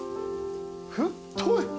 太い。